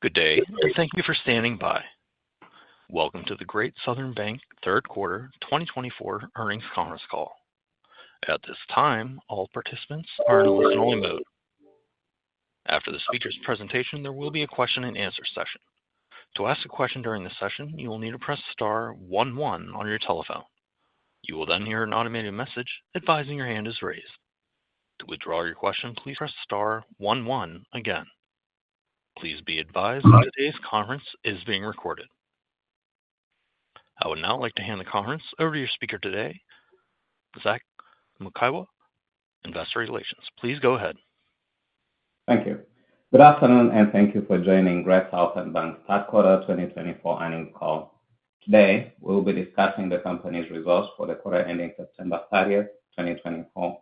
Good day, and thank you for standing by. Welcome to the Great Southern Bank third quarter twenty twenty-four earnings conference call. At this time, all participants are in listening mode. After the speaker's presentation, there will be a question-and-answer session. To ask a question during the session, you will need to press star one one on your telephone. You will then hear an automated message advising your hand is raised. To withdraw your question, please press star one one again. Please be advised that today's conference is being recorded. I would now like to hand the conference over to your speaker today, Zach McKeown, Investor Relations. Please go ahead. Thank you. Good afternoon, and thank you for joining Great Southern Bancorp's third quarter twenty twenty-four earnings call. Today, we'll be discussing the company's results for the quarter ending September thirty, twenty twenty-four.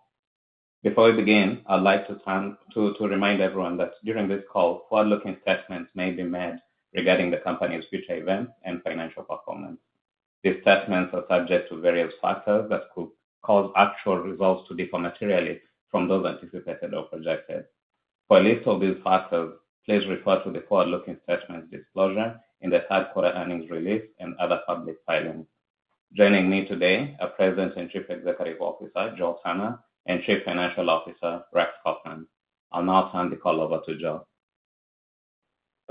Before we begin, I'd like to remind everyone that during this call, forward-looking statements may be made regarding the company's future events and financial performance. These statements are subject to various factors that could cause actual results to differ materially from those anticipated or projected. For a list of these factors, please refer to the forward-looking statements disclosure in the third quarter earnings release and other public filings. Joining me today are President and Chief Executive Officer Joe Turner and Chief Financial Officer Rex Copeland. I'll now turn the call over to Joe.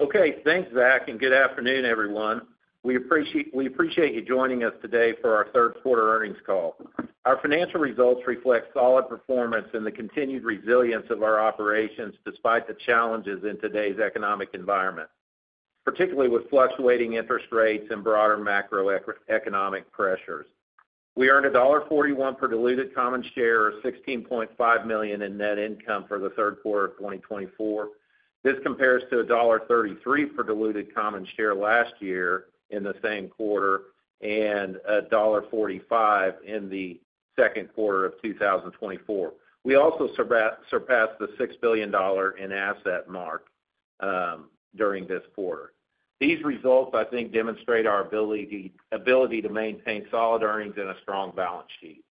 Okay, thanks, Zach, and good afternoon, everyone. We appreciate you joining us today for our third quarter earnings call. Our financial results reflect solid performance and the continued resilience of our operations despite the challenges in today's economic environment, particularly with fluctuating interest rates and broader macroeconomic pressures. We earned $1.41 per diluted common share or $16.5 million in net income for the third quarter of 2024. This compares to $1.33 per diluted common share last year in the same quarter, and $1.45 in the second quarter of 2024. We also surpassed the $6 billion in asset mark during this quarter. These results, I think, demonstrate our ability to maintain solid earnings and a strong balance sheet.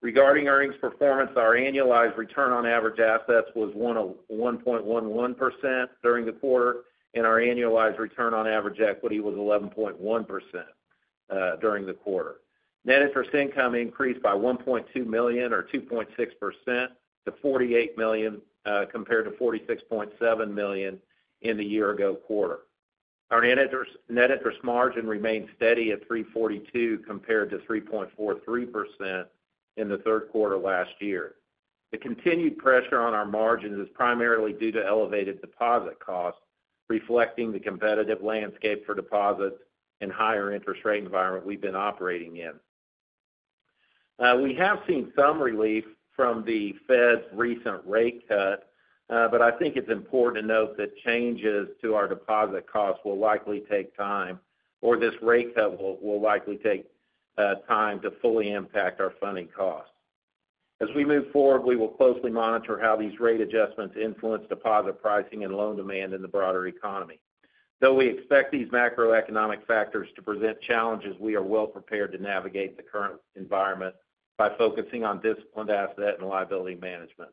Regarding earnings performance, our annualized return on average assets was 1.01% during the quarter, and our annualized return on average equity was 11.1% during the quarter. Net interest income increased by $1.2 million or 2.6% to $48 million, compared to $46.7 million in the year ago quarter. Our net interest margin remained steady at 3.42%, compared to 3.43% in the third quarter last year. The continued pressure on our margins is primarily due to elevated deposit costs, reflecting the competitive landscape for deposits and higher interest rate environment we've been operating in. We have seen some relief from the Fed's recent rate cut, but I think it's important to note that changes to our deposit costs will likely take time, or this rate cut will likely take time to fully impact our funding costs. As we move forward, we will closely monitor how these rate adjustments influence deposit pricing and loan demand in the broader economy. Though we expect these macroeconomic factors to present challenges, we are well prepared to navigate the current environment by focusing on disciplined asset and liability management.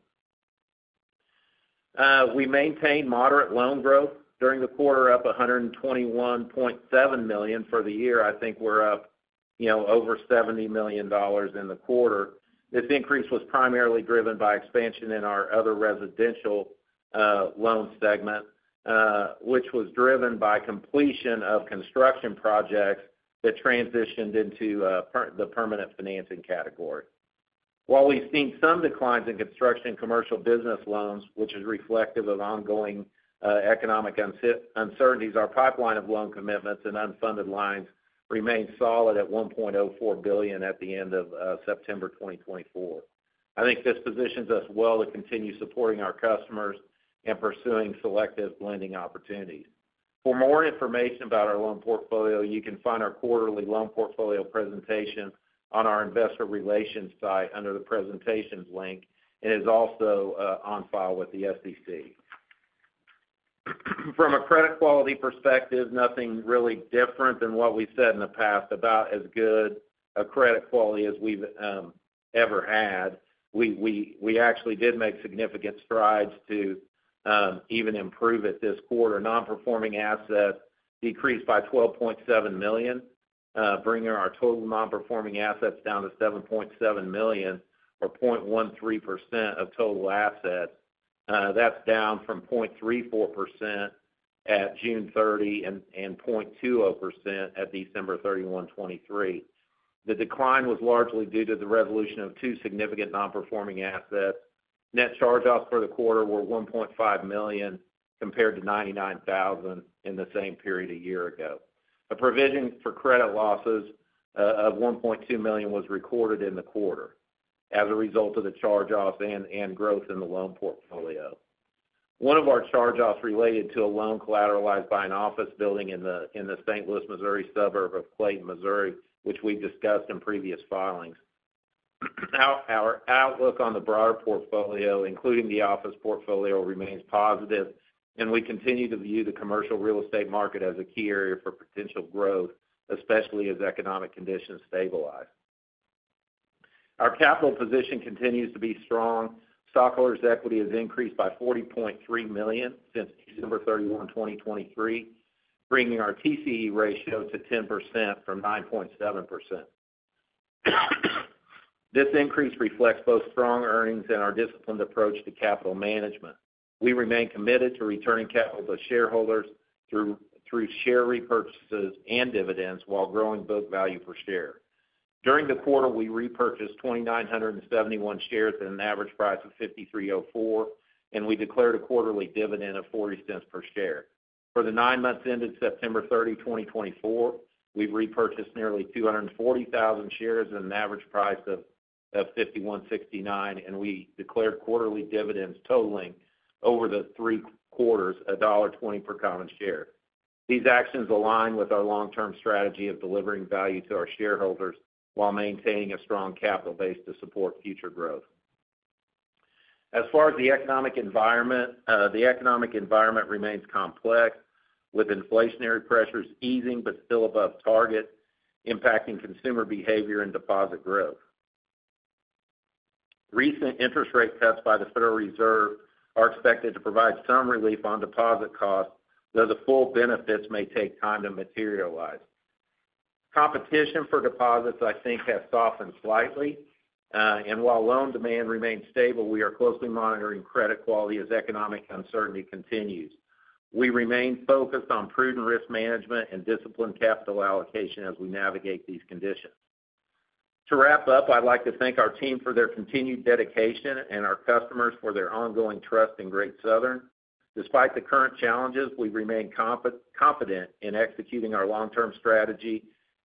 We maintained moderate loan growth during the quarter, up $121.7 million for the year. I think we're up, you know, over $70 million in the quarter. This increase was primarily driven by expansion in our other residential loan segment, which was driven by completion of construction projects that transitioned into the permanent financing category. While we've seen some declines in construction and commercial business loans, which is reflective of ongoing economic uncertainties, our pipeline of loan commitments and unfunded lines remained solid at $1.04 billion at the end of September 2024. I think this positions us well to continue supporting our customers and pursuing selective lending opportunities. For more information about our loan portfolio, you can find our quarterly loan portfolio presentation on our investor relations site under the presentations link, and is also on file with the SEC. From a credit quality perspective, nothing really different than what we've said in the past, about as good a credit quality as we've ever had. We actually did make significant strides to even improve it this quarter. Non-performing assets decreased by $12.7 million, bringing our total non-performing assets down to $7.7 million, or 0.13% of total assets. That's down from 0.34% at June 30 and 0.20% at December 31, 2023. The decline was largely due to the resolution of two significant non-performing assets. Net charge-offs for the quarter were $1.5 million, compared to $99,000 in the same period a year ago. A provision for credit losses of $1.2 million was recorded in the quarter as a result of the charge-offs and growth in the loan portfolio. One of our charge-offs related to a loan collateralized by an office building in the St. Louis, Missouri suburb of Clayton, Missouri, which we've discussed in previous filings. Our outlook on the broader portfolio, including the office portfolio, remains positive, and we continue to view the commercial real estate market as a key area for potential growth, especially as economic conditions stabilize. Our capital position continues to be strong. Stockholders' equity has increased by $40.3 million since December thirty-one, twenty twenty-three, bringing our TCE ratio to 10% from 9.7%. This increase reflects both strong earnings and our disciplined approach to capital management. We remain committed to returning capital to shareholders through share repurchases and dividends while growing book value per share. During the quarter, we repurchased 2,971 shares at an average price of $53.04, and we declared a quarterly dividend of $0.40 per share. For the nine months ended September 30, 2024, we've repurchased nearly 240,000 shares at an average price of $51.69, and we declared quarterly dividends totaling over the three quarters $1.20 per common share. These actions align with our long-term strategy of delivering value to our shareholders, while maintaining a strong capital base to support future growth. As far as the economic environment, the economic environment remains complex, with inflationary pressures easing but still above target, impacting consumer behavior and deposit growth. Recent interest rate cuts by the Federal Reserve are expected to provide some relief on deposit costs, though the full benefits may take time to materialize. Competition for deposits, I think, has softened slightly, and while loan demand remains stable, we are closely monitoring credit quality as economic uncertainty continues. We remain focused on prudent risk management and disciplined capital allocation as we navigate these conditions. To wrap up, I'd like to thank our team for their continued dedication and our customers for their ongoing trust in Great Southern. Despite the current challenges, we remain confident in executing our long-term strategy,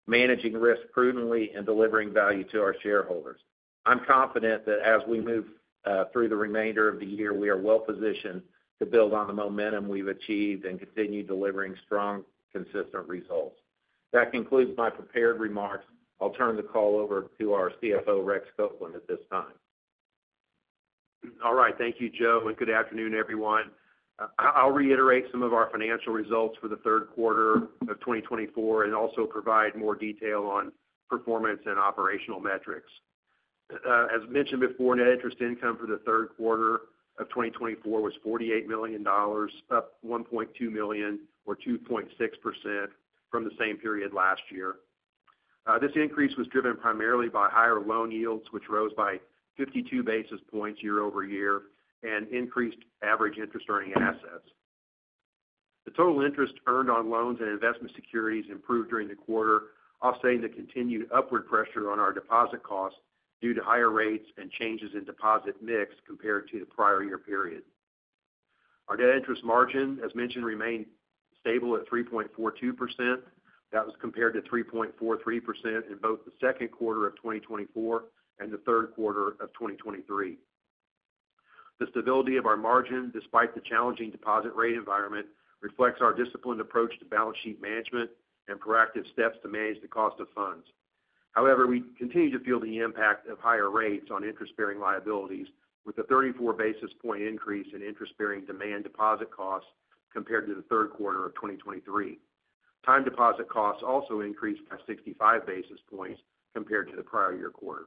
managing risk prudently, and delivering value to our shareholders. I'm confident that as we move through the remainder of the year, we are well positioned to build on the momentum we've achieved and continue delivering strong, consistent results. That concludes my prepared remarks. I'll turn the call over to our CFO, Rex Copeland, at this time. All right. Thank you, Joe, and good afternoon, everyone. I'll reiterate some of our financial results for the third quarter of twenty twenty-four and also provide more detail on performance and operational metrics. As mentioned before, net interest income for the third quarter of twenty twenty-four was $48 million, up $1.2 million or 2.6% from the same period last year. This increase was driven primarily by higher loan yields, which rose by 52 basis points year over year and increased average interest earning assets. The total interest earned on loans and investment securities improved during the quarter, offsetting the continued upward pressure on our deposit costs due to higher rates and changes in deposit mix compared to the prior year period. Our net interest margin, as mentioned, remained stable at 3.42%. That was compared to 3.43% in both the second quarter of 2024 and the third quarter of 2023. The stability of our margin, despite the challenging deposit rate environment, reflects our disciplined approach to balance sheet management and proactive steps to manage the cost of funds. However, we continue to feel the impact of higher rates on interest-bearing liabilities, with a 34 basis points increase in interest-bearing demand deposit costs compared to the third quarter of 2023. Time deposit costs also increased by 65 basis points compared to the prior year quarter.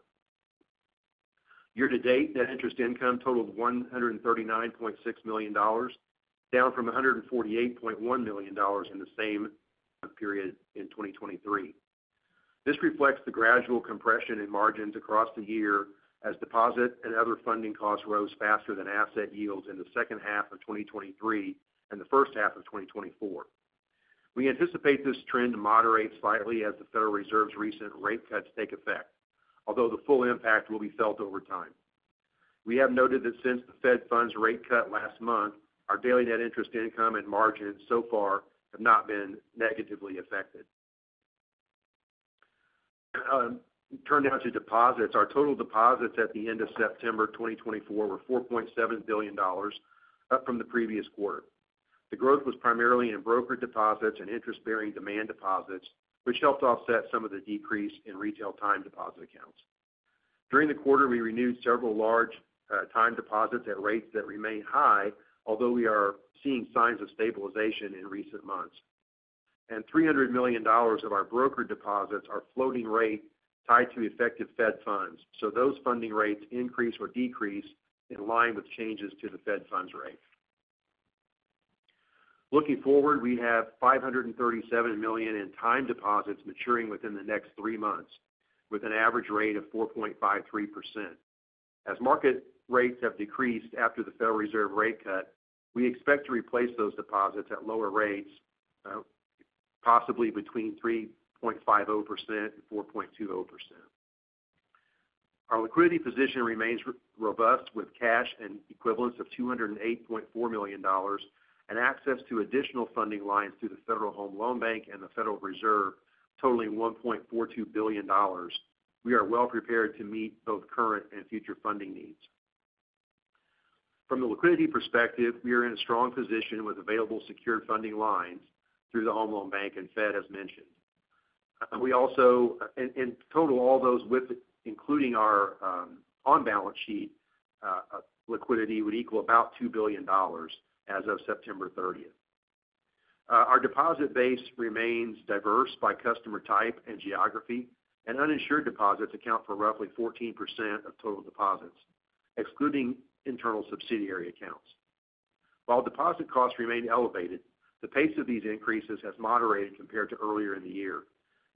Year to date, net interest income totaled $139.6 million, down from $148.1 million in the same period in 2023. This reflects the gradual compression in margins across the year as deposit and other funding costs rose faster than asset yields in the second half of 2023 and the first half of 2024. We anticipate this trend to moderate slightly as the Federal Reserve's recent rate cuts take effect, although the full impact will be felt over time. We have noted that since the Fed funds rate cut last month, our daily net interest income and margins so far have not been negatively affected. Turning now to deposits. Our total deposits at the end of September 2024 were $4.7 billion, up from the previous quarter. The growth was primarily in brokered deposits and interest-bearing demand deposits, which helped offset some of the decrease in retail time deposit accounts. During the quarter, we renewed several large time deposits at rates that remain high, although we are seeing signs of stabilization in recent months. Three hundred million dollars of our brokered deposits are floating rate tied to the effective Fed funds, so those funding rates increase or decrease in line with changes to the Fed funds rate. Looking forward, we have five hundred and thirty-seven million in time deposits maturing within the next three months, with an average rate of 4.53%. As market rates have decreased after the Federal Reserve rate cut, we expect to replace those deposits at lower rates, possibly between 3.50% and 4.20%. Our liquidity position remains robust, with cash and equivalents of $208.4 million, and access to additional funding lines through the Federal Home Loan Bank and the Federal Reserve, totaling $1.42 billion. We are well prepared to meet both current and future funding needs. From the liquidity perspective, we are in a strong position with available secured funding lines through the Home Loan Bank and Fed, as mentioned. We also in total all those including our on-balance sheet liquidity would equal about $2 billion as of September thirtieth. Our deposit base remains diverse by customer type and geography, and uninsured deposits account for roughly 14% of total deposits, excluding internal subsidiary accounts. While deposit costs remain elevated, the pace of these increases has moderated compared to earlier in the year.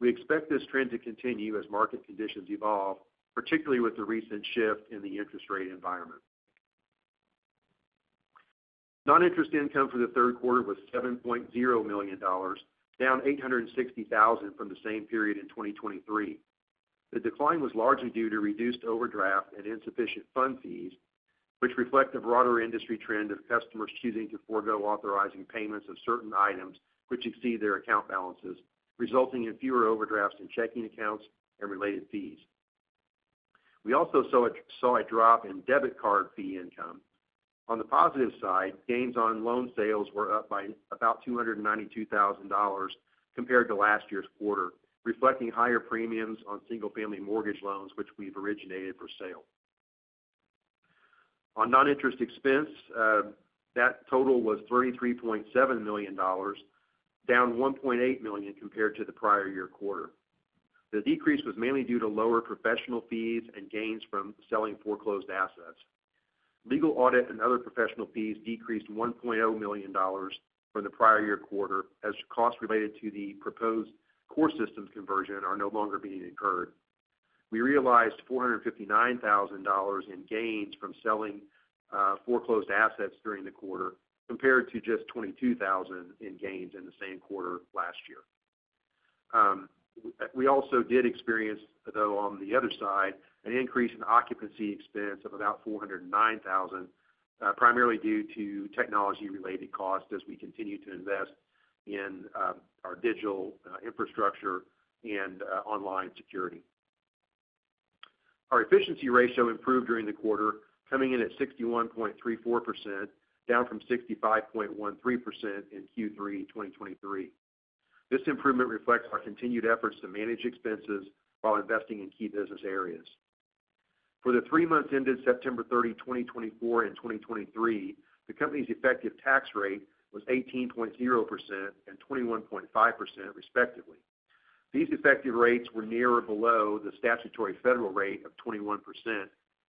We expect this trend to continue as market conditions evolve, particularly with the recent shift in the interest rate environment. Non-interest income for the third quarter was $7.0 million, down $860,000 from the same period in 2023. The decline was largely due to reduced overdraft and insufficient fund fees, which reflect the broader industry trend of customers choosing to forego authorizing payments of certain items which exceed their account balances, resulting in fewer overdrafts in checking accounts and related fees. We also saw a drop in debit card fee income. On the positive side, gains on loan sales were up by about $292,000 compared to last year's quarter, reflecting higher premiums on single-family mortgage loans, which we've originated for sale. On non-interest expense, that total was $33.7 million, down $1.8 million compared to the prior year quarter. The decrease was mainly due to lower professional fees and gains from selling foreclosed assets. Legal, audit, and other professional fees decreased $1.0 million from the prior year quarter, as costs related to the proposed core systems conversion are no longer being incurred. We realized $459,000 in gains from selling foreclosed assets during the quarter, compared to just $22,000 in gains in the same quarter last year. We also did experience, though, on the other side, an increase in occupancy expense of about $409,000, primarily due to technology-related costs as we continue to invest in our digital infrastructure and online security. Our efficiency ratio improved during the quarter, coming in at 61.34%, down from 65.13% in Q3 2023. This improvement reflects our continued efforts to manage expenses while investing in key business areas. For the three months ended September 30, 2024 and 2023, the company's effective tax rate was 18.0% and 21.5%, respectively. These effective rates were near or below the statutory federal rate of 21%,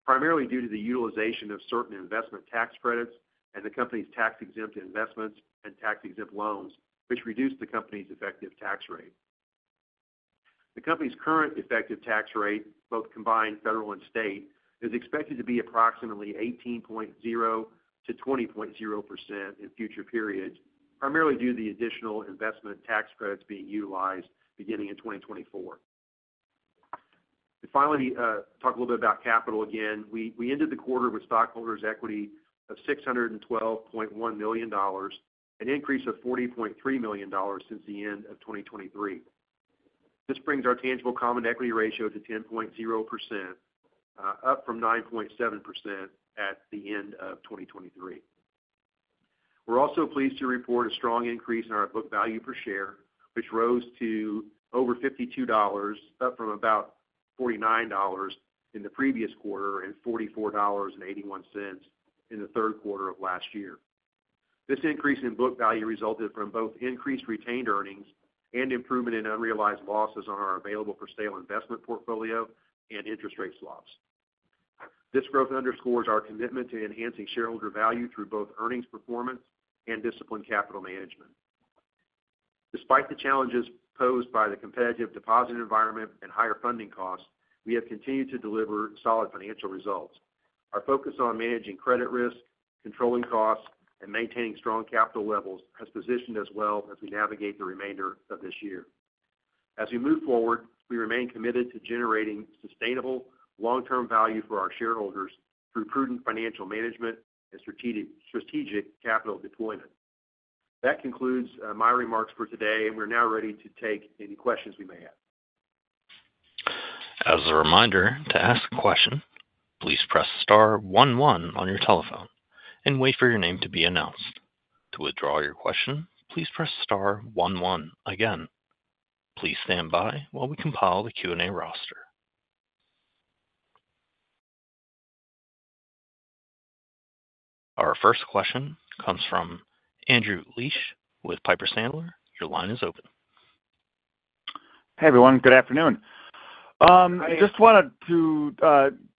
primarily due to the utilization of certain investment tax credits and the company's tax-exempt investments and tax-exempt loans, which reduced the company's effective tax rate. The company's current effective tax rate, both combined federal and state, is expected to be approximately 18.0% to 20.0% in future periods, primarily due to the additional investment tax credits being utilized beginning in 2024. And finally, talk a little bit about capital again. We ended the quarter with stockholders' equity of $612.1 million, an increase of $40.3 million since the end of 2023. This brings our tangible common equity ratio to 10.0%, up from 9.7% at the end of 2023. We're also pleased to report a strong increase in our book value per share, which rose to over $52, up from about $49 in the previous quarter and $44.81 in the third quarter of last year. This increase in book value resulted from both increased retained earnings and improvement in unrealized losses on our available for sale investment portfolio and interest rate swaps. This growth underscores our commitment to enhancing shareholder value through both earnings performance and disciplined capital management. Despite the challenges posed by the competitive deposit environment and higher funding costs, we have continued to deliver solid financial results. Our focus on managing credit risk, controlling costs, and maintaining strong capital levels has positioned us well as we navigate the remainder of this year. As we move forward, we remain committed to generating sustainable long-term value for our shareholders through prudent financial management and strategic capital deployment. That concludes my remarks for today, and we're now ready to take any questions we may have. As a reminder, to ask a question, please press star one one on your telephone and wait for your name to be announced. To withdraw your question, please press star one one again. Please stand by while we compile the Q&A roster. Our first question comes from Andrew Liesch with Piper Sandler. Your line is open. Hey, everyone. Good afternoon. Hi. I just wanted to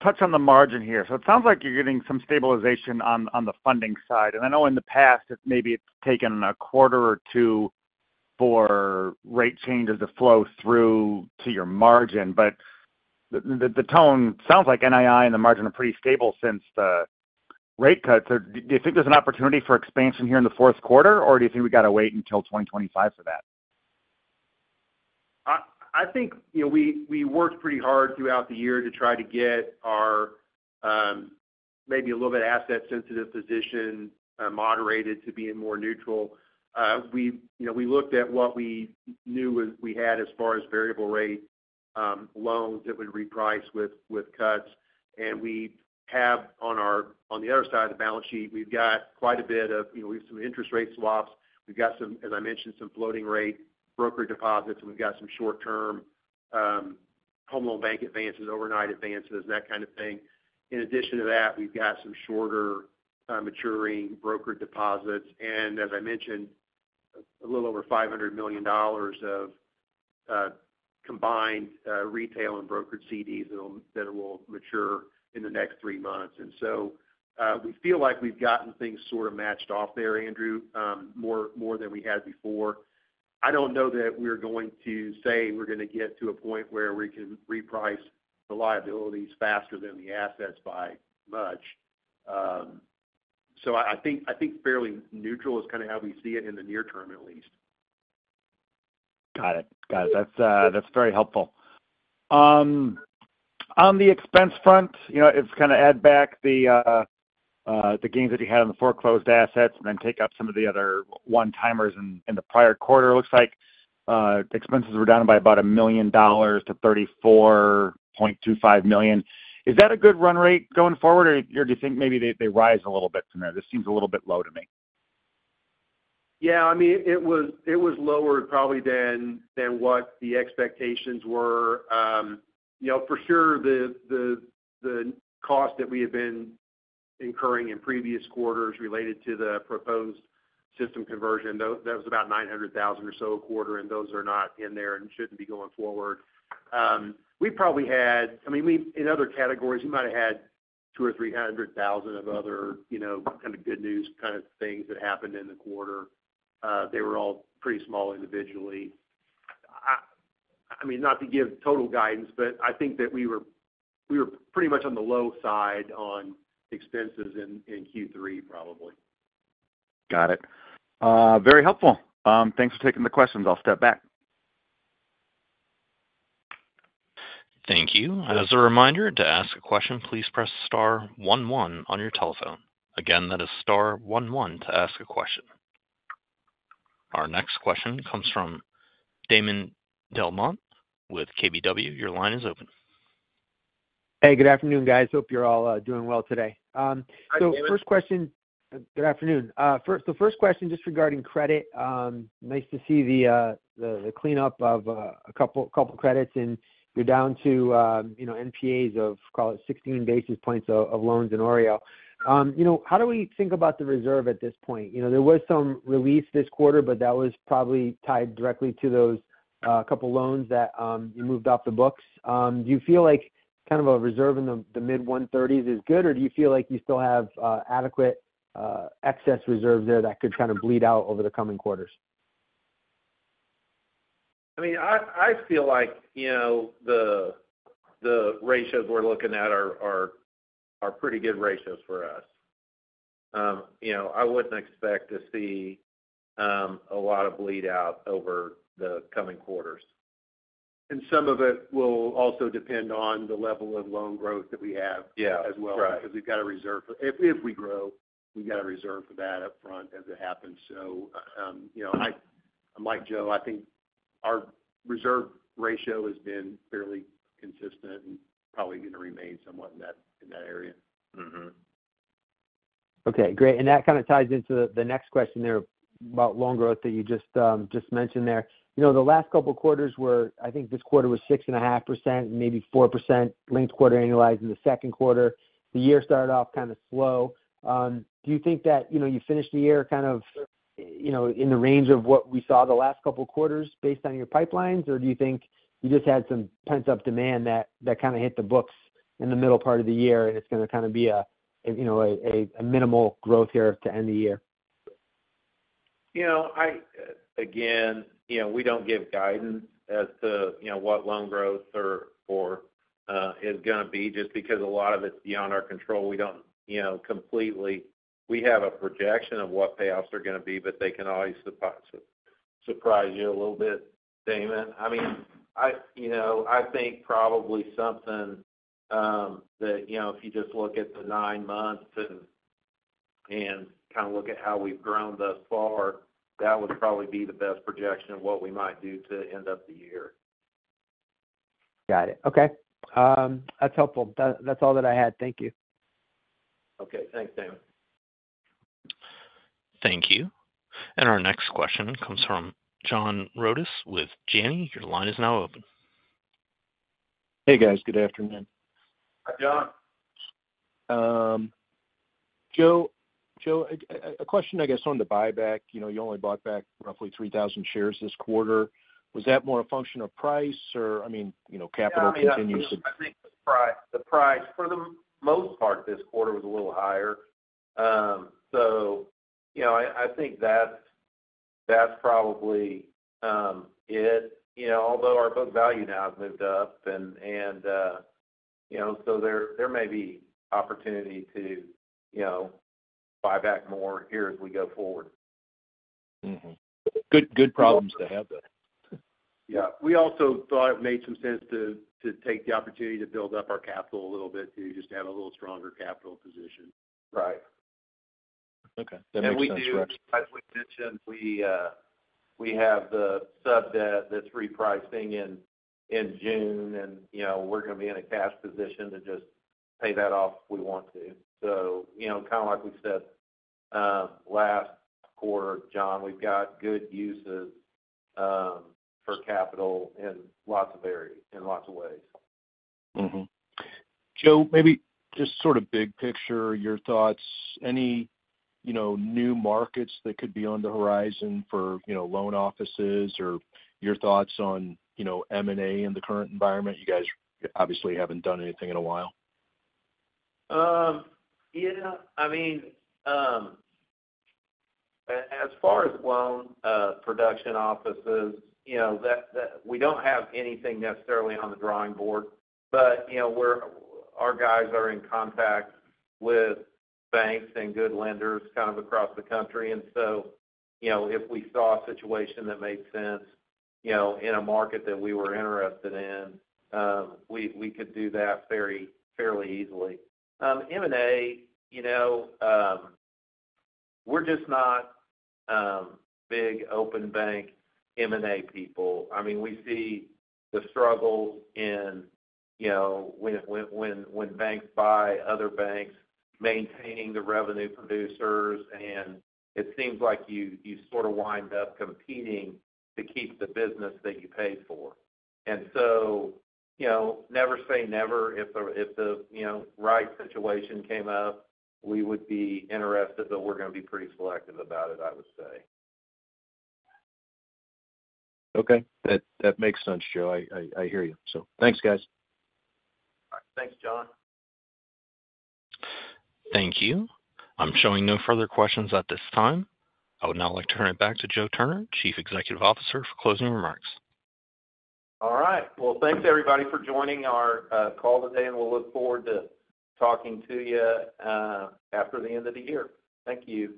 touch on the margin here. So it sounds like you're getting some stabilization on the funding side, and I know in the past, maybe it's taken a quarter or two for rate changes to flow through to your margin. But the tone sounds like NII and the margin are pretty stable since the rate cuts. So do you think there's an opportunity for expansion here in the fourth quarter, or do you think we got to wait until twenty twenty-five for that? I think, you know, we worked pretty hard throughout the year to try to get our maybe a little bit asset sensitive position moderated to being more neutral. We, you know, we looked at what we knew we had as far as variable rate loans that would reprice with cuts, and we have on the other side of the balance sheet, we've got quite a bit of, you know, we have some interest rate swaps. We've got some, as I mentioned, some floating rate brokered deposits, and we've got some short-term,... home loan bank advances, overnight advances, that kind of thing. In addition to that, we've got some shorter maturing brokered deposits. And as I mentioned, a little over $500 million of combined retail and brokered CDs that'll that will mature in the next three months. And so, we feel like we've gotten things sort of matched off there, Andrew, more than we had before. I don't know that we're going to say we're going to get to a point where we can reprice the liabilities faster than the assets by much. So I think fairly neutral is kind of how we see it in the near term, at least. Got it. Got it. That's, that's very helpful. On the expense front, you know, it's kind of add back the gains that you had on the foreclosed assets, and then take out some of the other one-timers in the prior quarter. It looks like expenses were down by about $1 million to $34.25 million. Is that a good run rate going forward, or do you think maybe they rise a little bit from there? This seems a little bit low to me. Yeah, I mean, it was lower probably than what the expectations were. You know, for sure, the cost that we have been incurring in previous quarters related to the proposed system conversion, that was about $900,000 or so a quarter, and those are not in there and shouldn't be going forward. We probably had. I mean, in other categories, we might have had $200,000-$300,000 of other, you know, kind of good news kind of things that happened in the quarter. They were all pretty small individually. I mean, not to give total guidance, but I think that we were pretty much on the low side on expenses in Q3, probably. Got it. Very helpful. Thanks for taking the questions. I'll step back. Thank you. As a reminder, to ask a question, please press star one, one on your telephone. Again, that is star one, one to ask a question. Our next question comes from Damon DelMonte with KBW. Your line is open. Hey, good afternoon, guys. Hope you're all doing well today. Hi, Damon. So first question-- Good afternoon. First, so first question, just regarding credit, nice to see the cleanup of a couple credits, and you're down to, you know, NPAs of, call it, sixteen basis points of loans in OREO. You know, how do we think about the reserve at this point? You know, there was some relief this quarter, but that was probably tied directly to those couple loans that you moved off the books. Do you feel like kind of a reserve in the mid one thirties is good, or do you feel like you still have adequate excess reserve there that could kind of bleed out over the coming quarters? I mean, I feel like, you know, the ratios we're looking at are pretty good ratios for us. You know, I wouldn't expect to see a lot of bleed out over the coming quarters. Some of it will also depend on the level of loan growth that we have... Yeah -as well. Right. Because we've got to reserve for... If we grow, we've got to reserve for that upfront as it happens. So, you know, like Joe, I think our reserve ratio has been fairly consistent and probably going to remain somewhat in that area. Mm-hmm. Okay, great. And that kind of ties into the next question there about loan growth that you just mentioned there. You know, the last couple of quarters were, I think this quarter was 6.5%, maybe 4% linked quarter annualized in the second quarter. The year started off kind of slow. Do you think that, you know, you finished the year kind of, you know, in the range of what we saw the last couple of quarters based on your pipelines? Or do you think you just had some pent-up demand that kind of hit the books in the middle part of the year, and it's going to kind of be a, you know, a minimal growth here to end the year? You know, again, you know, we don't give guidance as to, you know, what loan growth or is going to be just because a lot of it's beyond our control. We don't, you know, completely. We have a projection of what payoffs are going to be, but they can always surprise you a little bit, Damon. I mean, you know, I think probably something that, you know, if you just look at the nine months and kind of look at how we've grown thus far, that would probably be the best projection of what we might do to end up the year. Got it. Okay, that's helpful. That's all that I had. Thank you. Okay. Thanks, Damon. Thank you. And our next question comes from John Rodis with Janney. Your line is now open. Hey, guys. Good afternoon. Hi, John. Joe, a question, I guess, on the buyback. You know, you only bought back roughly three thousand shares this quarter. Was that more a function of price? Or, I mean, you know, capital continues to- Yeah, I mean, I think the price for the most part this quarter was a little higher. So you know, I think that's probably it. You know, although our book value now has moved up, and you know, so there may be opportunity to, you know, buy back more here as we go forward. Mm-hmm. Good, good problems to have there. Yeah. We also thought it made some sense to, to take the opportunity to build up our capital a little bit, to just have a little stronger capital position. Right. Okay, that makes sense. We do, as we mentioned, we have the sub-debt that's repricing in June, and, you know, we're going to be in a cash position to just pay that off if we want to. So, you know, kind of like we said last quarter, John, we've got good uses for capital in lots of areas, in lots of ways. Mm-hmm. Joe, maybe just sort of big picture, your thoughts, any, you know, new markets that could be on the horizon for, you know, loan offices or your thoughts on, you know, M&A in the current environment? You guys obviously haven't done anything in a while. Yeah, I mean, as far as loan production offices, you know, that we don't have anything necessarily on the drawing board but you know, our guys are in contact with banks and good lenders kind of across the country. And so, you know, if we saw a situation that made sense, you know, in a market that we were interested in, we could do that fairly easily. M&A, you know, we're just not big on bank M&A people. I mean, we see the struggles in, you know, when banks buy other banks, maintaining the revenue producers, and it seems like you sort of wind up competing to keep the business that you paid for. And so, you know, never say never. If the right situation came up, we would be interested, but we're going to be pretty selective about it, I would say. Okay. That makes sense, Joe. I hear you. So thanks, guys. All right. Thanks, John. Thank you. I'm showing no further questions at this time. I would now like to turn it back to Joe Turner, Chief Executive Officer, for closing remarks. All right. Well, thanks, everybody, for joining our call today, and we'll look forward to talking to you after the end of the year. Thank you.